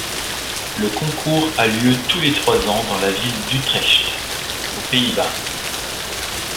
Le Concours a lieu tous les trois ans dans la ville d'Utrecht, aux Pays-Bas.